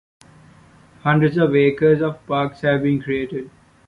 Hundreds of acres of parks have been created.